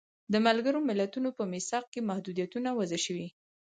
د ملګرو ملتونو په میثاق کې محدودیتونه وضع شوي.